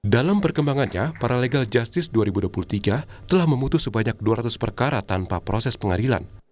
dalam perkembangannya para legal justice dua ribu dua puluh tiga telah memutus sebanyak dua ratus perkara tanpa proses pengadilan